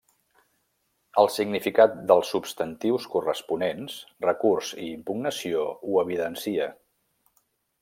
El significat dels substantius corresponents, recurs i impugnació, ho evidencia.